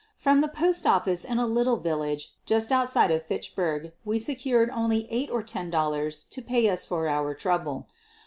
From the postoffice in a little village just outside Fitchburg we secured only eight or ten dollars to pay us for our trouble.